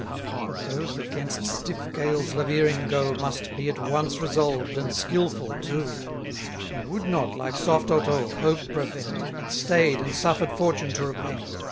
But those that 'gainst stiff gales laveering go, Must be at once resolved and skilful too. He would not, like soft Otho, hope prevent, But stay'd, and suffer'd fortune to repent.